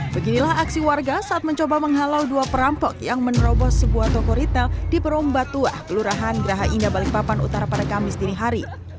beginilah aksi warga saat mencoba menghalau dua perampok yang menerobos sebuah toko ritel di peromba tua kelurahan geraha indah balikpapan utara pada kamis dinihari